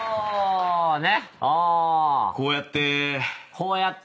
こうやって。